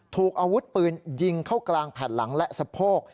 ถูกอาวุธปืนยิงเข้ากลางแผ่นหลังและสะโพก